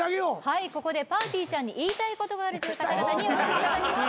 はいここでぱーてぃーちゃんに言いたいことがあるという方々にお越しいただきました。